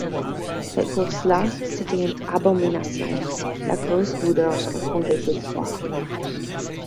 Cette course-là, c'était une abomination, la grosse douleur dans son désespoir.